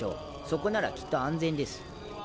そこならきっと安全です。